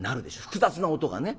複雑な音がね。